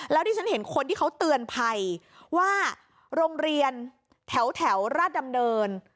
แล้วที่ฉันเห็นคนที่เขาเตือนภัยว่าโรงเรียนแถวราชดำเนิน